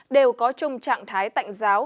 đều có chung trạng thái tạnh giáo